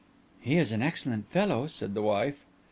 "He is an excellent fellow," said the wife.